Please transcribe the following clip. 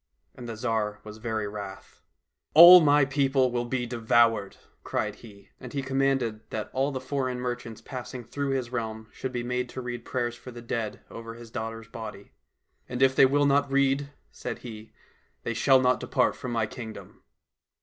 And the Tsar was very wrath. " All my people will be devoured," cried he. And he commanded that all the foreign merchants passing through his realm should be made to read prayers for the dead over his daughter's body. " And if they will not read," said he, " they shall not depart from my kingdom."